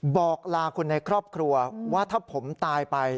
บอกลาคนในครอบครัวว่าถ้าผมตายไป